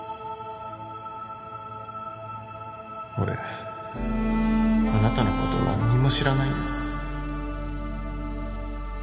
俺あなたのこと何も知らないよ